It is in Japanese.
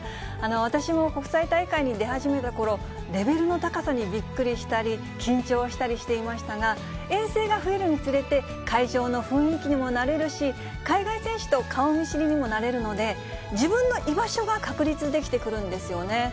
私も国際大会に出始めたころ、レベルの高さにびっくりしたり、緊張したりしていましたが、遠征が増えるにつれて、会場の雰囲気にも慣れるし、海外選手と顔見知りにもなれるので、自分の居場所が確立できてくるんですよね。